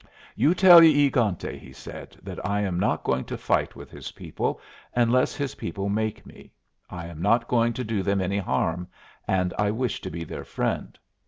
"You tell E egante," he said, "that I am not going to fight with his people unless his people make me. I am not going to do them any harm, and I wish to be their friend.